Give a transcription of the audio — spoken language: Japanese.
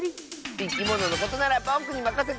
いきもののことならぼくにまかせて！